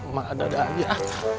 mak ada ada aja